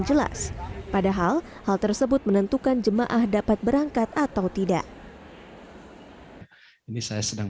jelas padahal hal tersebut menentukan jemaah dapat berangkat atau tidak ini saya sedang